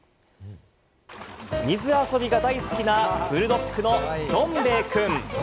水遊びが大好きなブルドッグのどん兵衛くん。